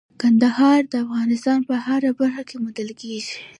کندهار د افغانستان په هره برخه کې موندل کېږي.